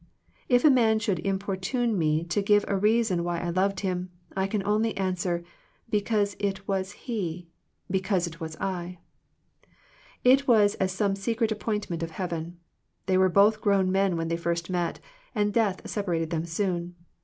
If a man should importune me to give a reason why 1 loved him, 1 can only answer, because it was he, be cause it was I." It was as some secret appointment of heaven. They were both grown men when they first met, and death separated them soon.